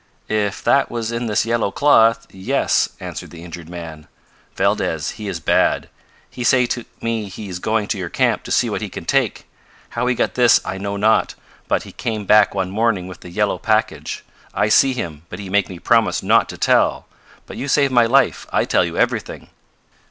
"If that was in this yellow cloth yes," answered the injured man. "Valdez he is bad. He say to me he is going to your camp to see what he can take. How he got this I know not, but he come back one morning with the yellow package. I see him, but he make me promise not to tell. But you save my life I tell you everything.